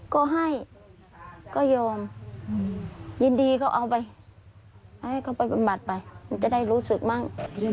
ก็ให้ก็ยอมยินดีเขาเอาไปให้เขาไปบำบัดไปมันจะได้รู้สึกมั่ง